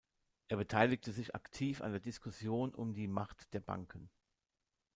Er beteiligte sich aktiv an der Diskussion um die „Macht der Banken“.